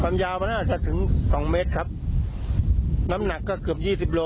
ยาวมันน่าจะถึงสองเมตรครับน้ำหนักก็เกือบยี่สิบโล